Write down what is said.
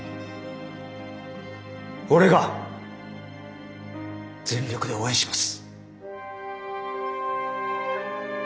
俺が全力で応援します。